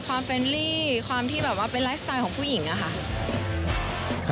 เฟรนลี่ความที่แบบว่าเป็นไลฟ์สไตล์ของผู้หญิงอะค่ะ